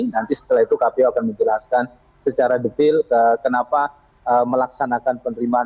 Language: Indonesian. nanti setelah itu kpu akan menjelaskan secara detail kenapa melaksanakan penerimaan